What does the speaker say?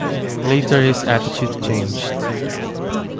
Later his attitude changed.